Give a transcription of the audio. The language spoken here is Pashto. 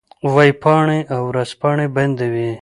وېبپاڼې او ورځپاڼې بندوي.